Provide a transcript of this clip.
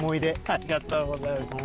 ありがとうございます。